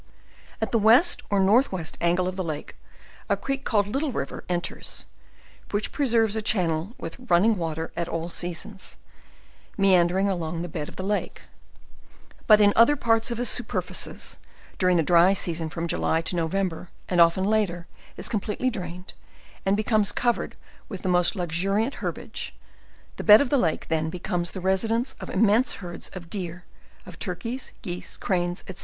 At the west or northwest angle of the lake, a creek called Little River, enters, which preserves a channel ,with running wa ter at all seasons, meandering along the bed of the lake; but in other parts its superfices, during the dry season from July LEWIS AND CLARKE. 181 to November, and often later, is completely drained, and be comes covered with the most luxnricnt herbage; the bed of the lake then becomes the residence of immense herds of deer, of turkeys, geese, cranes, &c.